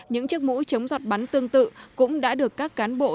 những chiếc mũ chống giọt bắn tương tự cũng đã được các cán bộ